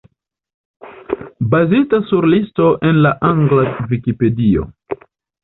Bazita sur listo en la angla Vikipedio.